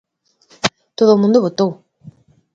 Todo o mundo votou.